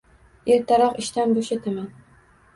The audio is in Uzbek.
Ertagayoq ishdan bo'shataman